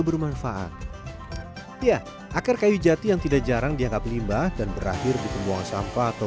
bermanfaat ya akar kayu jati yang tidak jarang dianggap limbah dan berakhir di pembuangan sampah atau